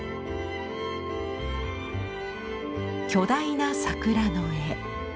巨大な桜の絵。